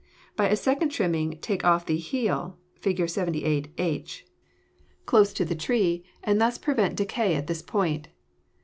By a second trimming take off the "heel" (Fig. 78, h) close to the tree, and thus prevent decay at this point.